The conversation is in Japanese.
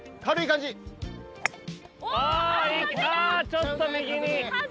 ちょっと右に。